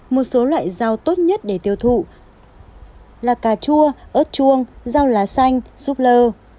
một số loại dầu tốt nhất để tiêu thụ là cà chua ớt chuông dầu lá xanh súp lơ